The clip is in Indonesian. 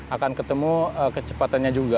akan ketemu kecepatannya juga